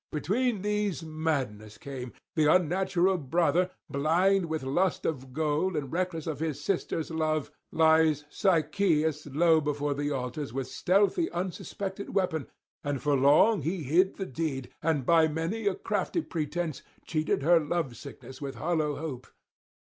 Between these madness came; the unnatural brother, blind with lust of gold, and reckless of his sister's love, lays Sychaeus low before the altars with stealthy unsuspected weapon; and for long he hid the deed, and by many a crafty pretence cheated her love sickness with hollow hope.